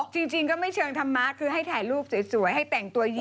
จริงก็ไม่เชิงธรรมะคือให้ถ่ายรูปสวยให้แต่งตัวยีบถูกแนบมาด